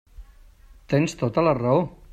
Tens tota la raó.